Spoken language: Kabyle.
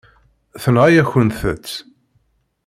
Tenɣa-yakent-tt.